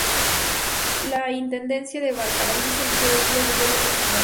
La Intendencia de Valparaíso anunció dos días de duelo por su muerte.